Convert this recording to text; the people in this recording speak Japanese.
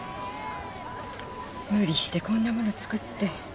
無理してこんなもの作って。